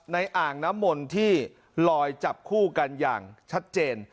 อ่างน้ำมนที่ลอยจับคู่กันอย่างชัดเจน